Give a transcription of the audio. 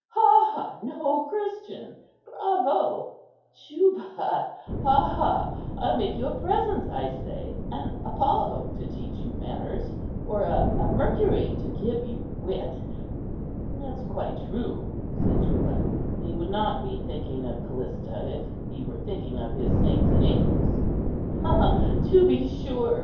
Ha, ha, no Christian! bravo, Juba! ha, ha, I'll make you a present, I say, an Apollo to teach you manners, or a Mercury to give you wit." "It's quite true," said Juba; "he would not be thinking of Callista, if he were thinking of his saints and angels." "Ha, ha! to be sure!"